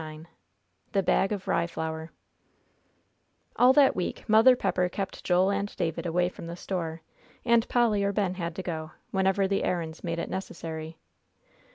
IX THE BAG OF RYE FLOUR All that week Mother Pepper kept Joel and David away from the Store, and Polly or Ben had to go, whenever the errands made it necessary.